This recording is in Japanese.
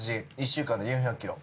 １週間で４００キロ